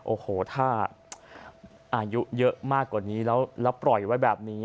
โอ้โหถ้าอายุเยอะมากกว่านี้แล้วปล่อยไว้แบบนี้